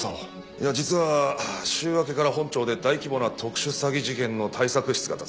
いや実は週明けから本庁で大規模な特殊詐欺事件の対策室が立つ。